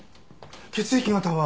血液型は？